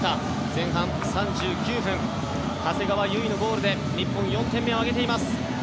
前半３９分長谷川唯のゴールで日本、４点目を挙げています。